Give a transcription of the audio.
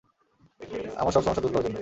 আমার সব সমস্যা দূর করার জন্য।